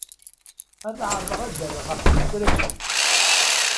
Ad ɛerḍeɣ ad d-rreɣ ɣef tuttra-nwent.